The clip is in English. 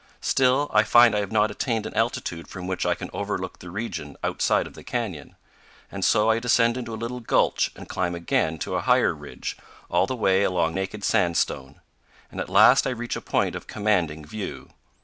Still, I find I have not attained an altitude from which I can overlook the region outside of the canyon; and so I descend into a little gulch and climb again to a higher ridge, all the way along naked sandstone, and at last I reach a point of commanding view.